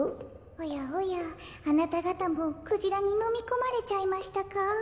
おやおやあなたがたもクジラにのみこまれちゃいましたか？